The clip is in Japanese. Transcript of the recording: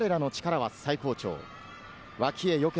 我らの力は最高潮。